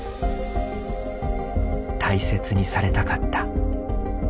大切にされたかった。